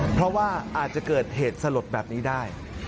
เพราะว่าอาจจะเกิดเหตุสลดแบบนี้ได้